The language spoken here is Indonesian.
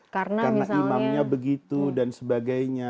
karena imamnya begitu dan sebagainya